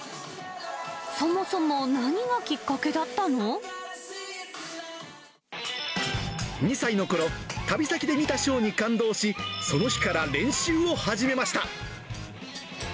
そもそも何がきっかけだった２歳のころ、旅先で見たショーに感動し、その日から練習を始めました。